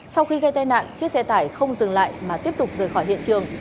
sau khi gây tai nạn chiếc xe tải không dừng lại mà tiếp tục rời khỏi hiện trường